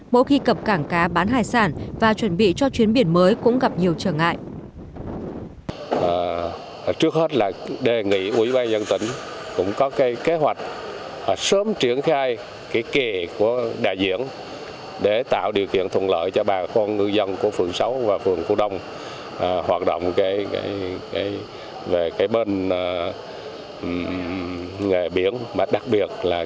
mỗi khi cập cảng cá bán hải sản và chuẩn bị cho chuyến biển mới cũng gặp nhiều trở ngại